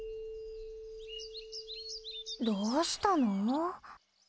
どうしたの？